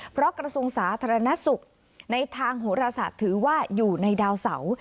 เพราะกระทรวงสาธารณสุขในทางโหรศาสตร์ถือว่าอยู่ในดาวเสา